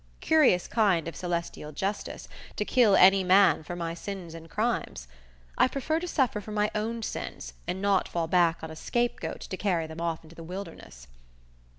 Curious kind of celestial justice, to kill any man for my sins and crimes? I prefer to suffer for my own sins and not fall back on a "scapegoat" to carry them off into the wilderness.